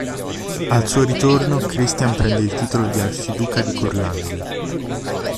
Al suo ritorno, Christian prende il titolo di arciduca di Curlandia.